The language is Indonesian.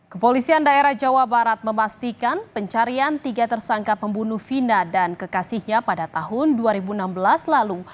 kepolisian daerah jawa barat memastikan pencarian tiga tersangka pembunuh vina dan kekasihnya pada tahun dua ribu enam belas lalu